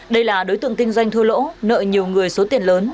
đây là đối tượng kinh doanh thua lỗ nợ nhiều người số tiền lớn